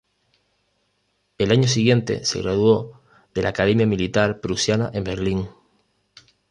El año siguiente se graduó de la Academia Militar Prusiana en Berlín.